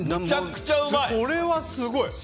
これはすごい！